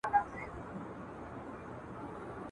دا تر ټولو مهم کس دی ستا د ژوند په آشیانه کي !.